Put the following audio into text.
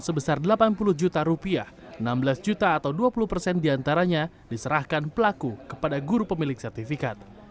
sebesar delapan puluh juta rupiah enam belas juta atau dua puluh persen diantaranya diserahkan pelaku kepada guru pemilik sertifikat